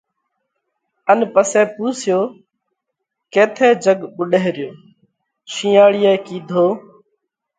ان پسئہ پُونسيو: ڪيٿئہ جڳ ٻُوڏئه ريو؟ شِينئاۯِيئہ ڪِيڌو: